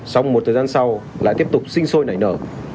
xong một thời gian sau lại tiếp tục sinh sôi nảy nở